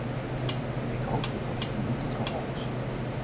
Ik hoop dat dat hier niet het geval is.